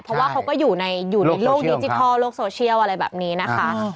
เพราะว่าเขาก็อยู่ในโลกดิจิทัลโลกโซเชียลอะไรแบบนี้นะคะ